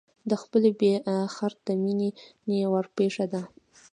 د خپلې بې خرته مینې ورپېښه ده.